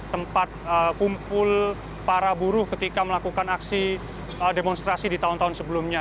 tempat kumpul para buruh ketika melakukan aksi demonstrasi di tahun tahun sebelumnya